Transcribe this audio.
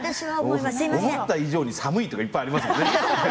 思った以上に寒いとかいっぱいありますよね。